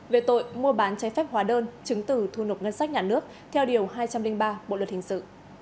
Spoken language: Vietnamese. về tội mua bán trái phép hóa đơn chứng tử thu nộp ngân sách nhà nước theo điều hai trăm linh ba bộ luật hình sự